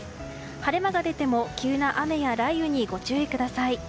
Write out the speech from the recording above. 晴れ間が出ても急な雨や雷雨にご注意ください。